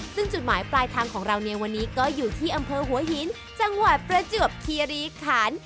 ซึ่งจุดหมายปลายทางของเราในวันนี้ก็อยู่ที่อำเภอหัวหินจังหวัดประจวบคีรีคัน